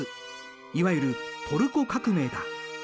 いわゆるトルコ革命だ。